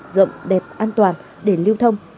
rộng đẹp an toàn để lưu thông